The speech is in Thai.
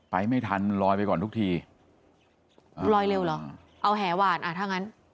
ไปไม่ทันลอยไปก่อนทุกทีลอยเร็วเหรอเอาแหหวานอ่ะถ้างั้น